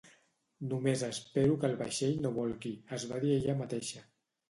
"Només espero que el vaixell no bolqui!" Es va dir a ella mateixa.